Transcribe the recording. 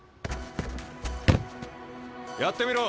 やってみろ。